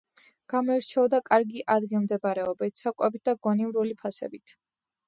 გამოირჩეოდა კარგი ადგილმდებარეობით, საკვებით და გონივრული ფასებით.